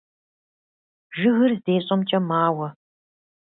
Жыгыр здещӀэмкӀэ мауэ.